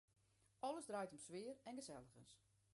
Alles draait om sfear en geselligens.